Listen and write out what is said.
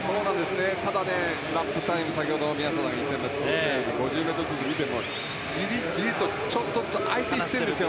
ただ、ラップタイム先ほど宮下さんが言ったように５０ｍ付近を見てもジリジリとちょっとずつ空いていってるんですよ。